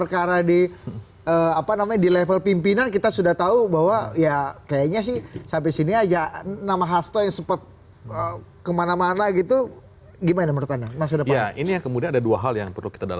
kemudian terus berkembang